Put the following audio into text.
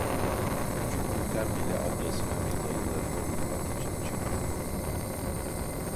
Küçük Nurten bile ablasına ve dayılarına uymak için çırpınıyordu.